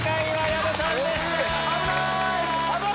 危ない！